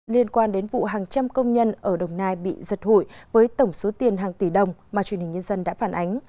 liên quan đến vụ hàng trăm công nhân ở đồng nai bị giật hụi với tổng số tiền hàng tỷ đồng mà truyền hình nhân dân đã phản ánh